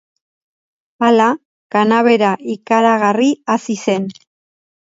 Hala, kanabera ikaragarri hazi zen.